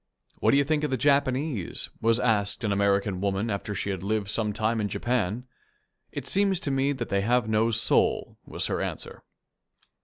"What do you think of the Japanese?" was asked an American woman after she had lived some time in Japan. "It seems to me that they have no soul," was her answer.